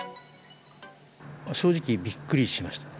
正直、びっくりしました。